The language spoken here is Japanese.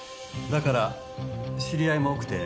だから知り合いも多くて